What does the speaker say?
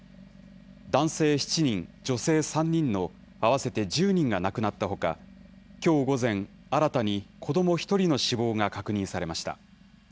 男性７人、女性３人の合わせて１０人が亡くなったほか、きょう午前、新たに子ども１人の死亡が確認されました。